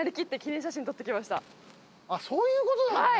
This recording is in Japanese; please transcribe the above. あっそういうことなのね。